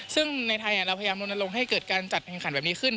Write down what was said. ซึ่งในไทยเราพยายามลนลงให้เกิดการจัดแข่งขันแบบนี้ขึ้น